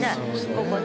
ここね。